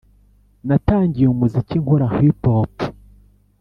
natangiye umuziki nkora “hip hop”.